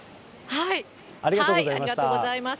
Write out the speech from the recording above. ありがとうございます。